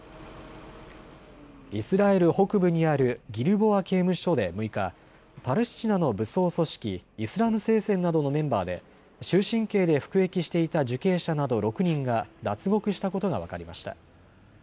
イスラエル北部にあるギルボア刑務所で６日、パレスチナの武装組織、イスラム聖戦などのメンバーで終身刑で服役していた受刑者など６人が脱獄したことが分かりました。